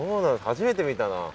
初めて見たな。